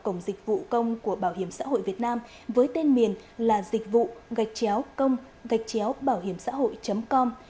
cổng dịch vụ công của bảo hiểm xã hội việt nam với tên miền là dịch vụ gạch chéo công gạch chéo bảo hiểm xã hội com